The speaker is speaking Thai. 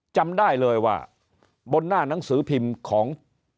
จำได้เลยว่าบนหน้าหนังสือพิมพ์ของ